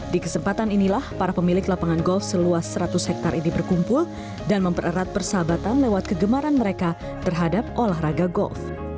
di kesempatan inilah para pemilik lapangan golf seluas seratus hektare ini berkumpul dan mempererat persahabatan lewat kegemaran mereka terhadap olahraga golf